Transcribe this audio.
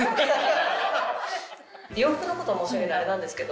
洋服のこと申し上げてあれなんですけど。